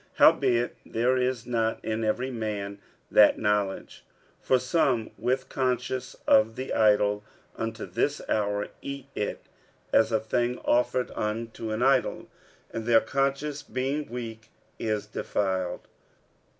46:008:007 Howbeit there is not in every man that knowledge: for some with conscience of the idol unto this hour eat it as a thing offered unto an idol; and their conscience being weak is defiled.